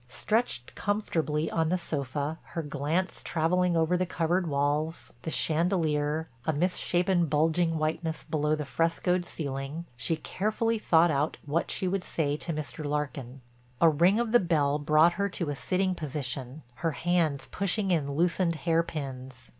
Stretched comfortably on the sofa, her glance traveling over the covered walls, the chandelier, a misshapen bulging whiteness below the frescoed ceiling, she carefully thought out what she would say to Mr. Larkin. A ring of the bell brought her to a sitting position, her hands pushing in loosened hairpins.